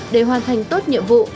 để hoàn thành tốt nhiệm vụ